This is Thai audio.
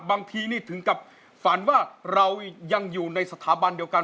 บางทีนี่ถึงกับฝันว่าเรายังอยู่ในสถาบันเดียวกัน